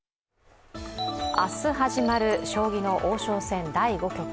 明日始まる将棋の王将戦第５局。